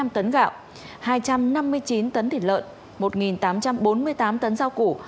bốn trăm sáu mươi năm tấn gạo hai trăm năm mươi chín tấn thịt lợn một tám trăm bốn mươi tám tấn rau củ